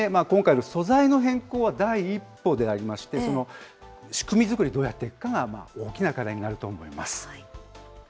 今回の素材の変更は第一歩でありまして、仕組み作りをどうやっていくかが、大きな課題になると思います。